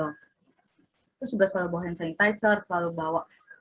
terus juga selalu bawa hand sanitizer selalu bawa